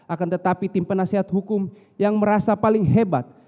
akan tetapi tim penasehat hukum yang merasa paling hebat